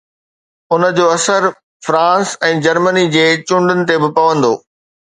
ان جو اثر France ۽ Germany جي چونڊن تي به پوندو